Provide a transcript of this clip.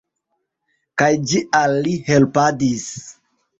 Kaj ĝi al li helpadis.